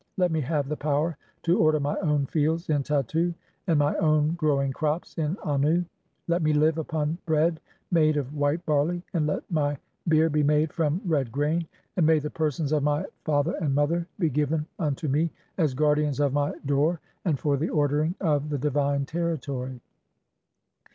Let me have the power to order my own "fields in Tattu and [my own] growing crops (7) in Annu. Let "me live upon bread made of white barley, and let my beer "be [made] from red grain ; and may the persons of my father THE CHAPTER OF NOT LETTING A MAN EAT FILTH 351 "and mother be given unto me as (8) guardians of my door "and for the ordering of the divine territory.